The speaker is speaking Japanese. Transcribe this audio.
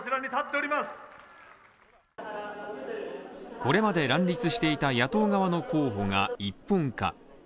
これまで乱立していた野党側の候補が一本化。